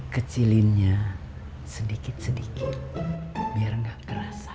kecilinnya sedikit sedikit biar nggak terasa